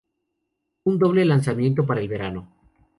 Un doble lanzamiento para el verano".